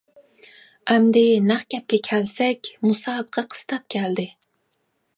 ئەمدى نەق گەپكە كەلسەك، مۇسابىقە قىستاپ كەلدى.